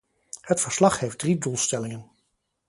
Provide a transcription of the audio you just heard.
Het verslag heeft drie doelstellingen.